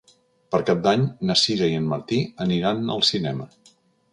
Per Cap d'Any na Sira i en Martí aniran al cinema.